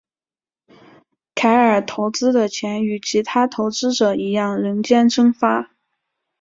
凯尔投资的钱与其他投资者一样人间蒸发。